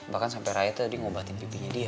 bahkan sampe raya tadi ngubatin bibinya dia